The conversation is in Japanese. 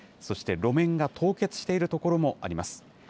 そして、路面が凍結している所もあります。